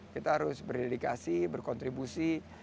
kita harus berdedikasi berkontribusi